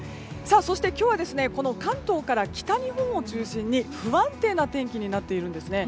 そして、今日は関東から北日本を中心に不安定な天気になっているんですね。